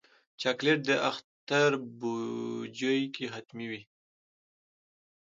چاکلېټ د اختر بوجۍ کې حتمي وي.